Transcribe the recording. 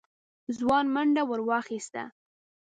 ځوان منډه ور واخيسته.